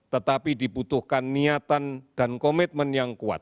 tetapi dibutuhkan niatan dan komitmen yang kuat